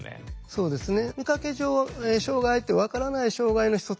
そうですね。